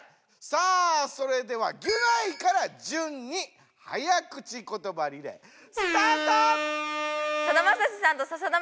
さあそれではギュナイから順に早口ことばリレースタート！